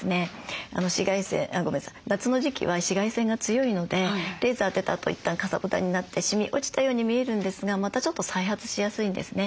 紫外線夏の時期は紫外線が強いのでレーザー当てたあといったんかさぶたになってシミ落ちたように見えるんですがまたちょっと再発しやすいんですね。